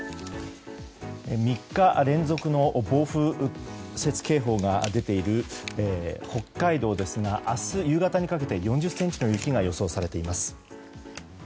３日連続の暴風雪警報が出ている北海道ですが、明日夕方にかけて４０ｃｍの雪が予想されています。